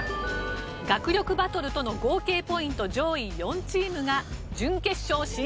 学力バトルとの合計ポイント上位４チームが準決勝進出です。